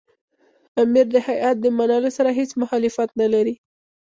امیر د هیات د منلو سره هېڅ مخالفت نه لري.